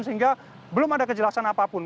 sehingga belum ada kejelasan apapun